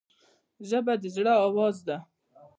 ژبه د زړه آواز دی